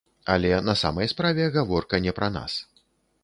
Але на самай справе, гаворка не пра нас.